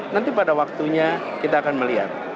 nanti pada waktunya kita akan melihat